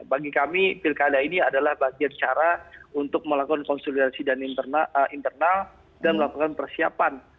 bagi kami pilkada ini adalah bagian cara untuk melakukan konsolidasi internal dan melakukan persiapan